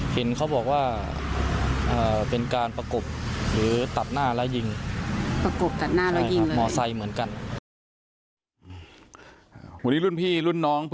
เห็นเขาบอกว่าเป็นการประกบหรือตัดหน้าแล้วยิง